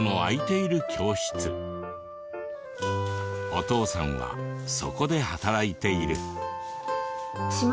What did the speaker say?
お父さんはそこで働いている。